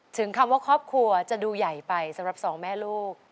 คำว่าครอบครัวจะดูใหญ่ไปสำหรับสองแม่ลูก